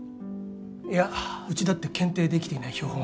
いやうちだって検定できていない標本はたくさんある。